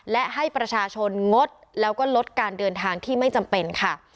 และให้ประชาชนงดแล้วก็ลดการเดินทางที่ไม่จำเป็นค่ะ